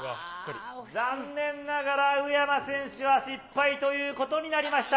残念ながら宇山選手は失敗ということになりました。